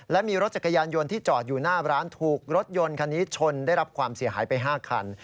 และมีรถจักรยานยนต์ที่จอดอยู่หน้าร้านถูกรถยนต์คันนี้ชนได้รับความเสียหายไป๕คัน